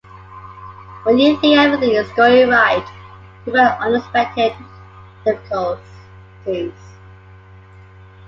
When you think everything is going right, you’ll find unexpected difficulties.